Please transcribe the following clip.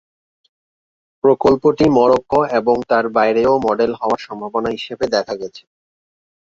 প্রকল্পটি মরক্কো এবং তার বাইরেও মডেল হওয়ার সম্ভাবনা হিসাবে দেখা গেছে।